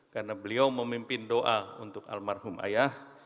karena beliau memimpin doa untuk almarhum ayah